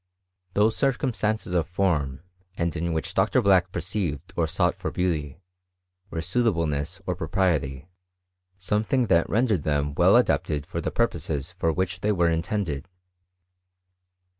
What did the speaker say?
Those circumstances of form, and in which Dr. Black perceived or sought for beauty, were suitableness or propriety: something that rendered them well adapted for the purposes for which they were intended.